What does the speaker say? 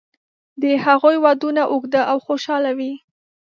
د هغوی ودونه اوږده او خوشاله وي.